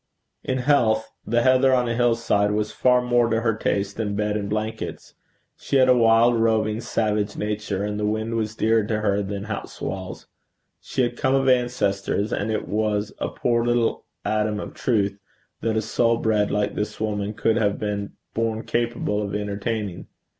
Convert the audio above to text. In health, the heather on a hill side was far more to her taste than bed and blankets. She had a wild, roving, savage nature, and the wind was dearer to her than house walls. She had come of ancestors and it was a poor little atom of truth that a soul bred like this woman could have been born capable of entertaining.